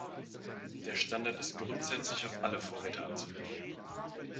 Der Standard ist grundsätzlich auf alle Vorräte anzuwenden.